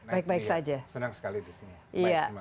halo desi senang sekali di sini